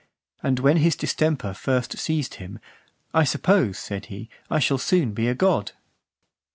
And when his distemper first seized him, "I suppose," said he, "I shall soon be a god."